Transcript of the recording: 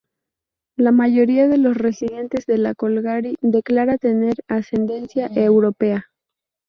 La mayoría de los residentes de Calgary declara tener ascendencia europea.